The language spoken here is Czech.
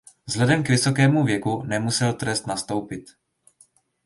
Vzhledem k vysokému věku nemusel trest nastoupit.